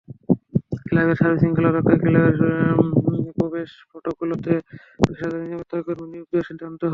ক্লাবের সার্বিক শৃঙ্খলা রক্ষায় ক্লাবের প্রবেশ ফটকগুলোতে পেশাদার নিরাপত্তাকর্মী নিয়োগ দেওয়ার সিদ্ধান্ত হয়।